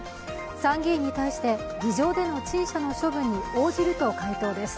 参議院に対して議場での陳謝の処分に応じると回答です。